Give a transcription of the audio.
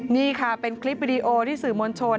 นี่ค่ะเป็นคลิปวิดีโอที่สื่อมวลชน